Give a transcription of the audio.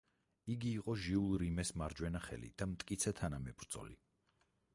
იგი იყო ჟიულ რიმეს მარჯვენა ხელი და მტკიცე თანამებრძოლი.